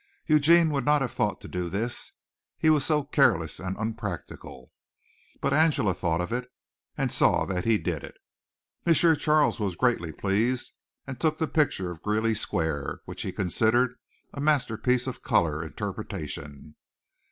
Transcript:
Eugene would not have thought to do this, he was so careless and unpractical. But Angela thought of it, and saw that he did it. M. Charles was greatly pleased, and took the picture of Greeley Square, which he considered a masterpiece of color interpretation.